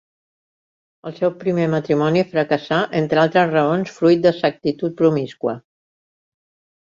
El seu primer matrimoni fracassà, entre altres raons fruit de sa actitud promiscua.